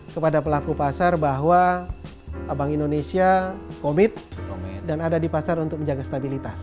kepada pelaku pasar bahwa bank indonesia komit dan ada di pasar untuk menjaga stabilitas